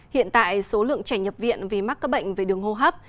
hiện tại số lượng trẻ nhập viện vì mắc các bệnh về đường hô hấp